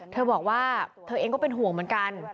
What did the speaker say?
เธอบอกว่าเธอเองก็เป็นห่วงเหมือนกัน